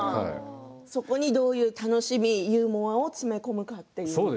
そこにどういう楽しみ、ユーモアを詰め込むかという。